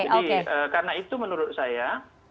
jadi karena itu menurut saya